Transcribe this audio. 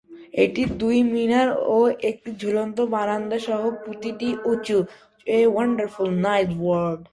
এটির দুই মিনার ও একটি ঝুলন্ত বারান্দা সহ প্রতিটি উঁচু।